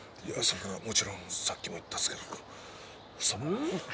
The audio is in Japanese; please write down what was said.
いやそれはもちろんさっきも言ったっすけどうん？